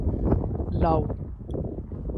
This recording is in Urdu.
لاؤ